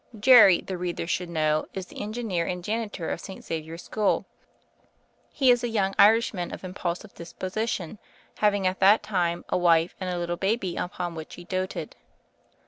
Jerry, the reader should know, is the engineer and janitor of St. Xavier School. He is a young Irishman of impulsive disposition, having at that time a wife and a little baby upon which he doted.